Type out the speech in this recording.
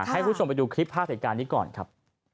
ให้คุณผู้ชมไปดูคลิปภาพเหตุการณ์นี้ก่อนครับ